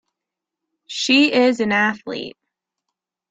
She is an Athlete.